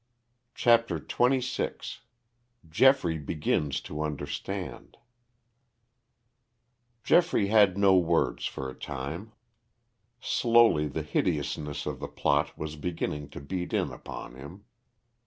CHAPTER XXVI GEOFFREY BEGINS TO UNDERSTAND Geoffrey had no words for a time. Slowly the hideousness of the plot was beginning to beat in upon him.